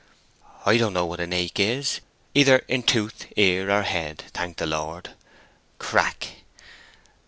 "I don't know what an ache is, either in tooth, ear, or head, thank the Lord" (crack).